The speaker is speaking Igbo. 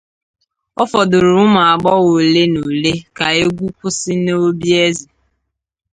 Ọ fọdụrụ ụmụagbọghọ ole na ole ka egwu kwụsị n’obi eze